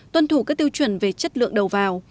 tuân thủ các tiêu chuẩn về chất lượng đầu vào